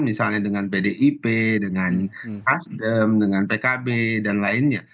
misalnya dengan pdip dengan nasdem dengan pkb dan lainnya